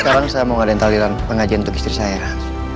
sekarang saya mau ngadain tauliran pengajian untuk istri saya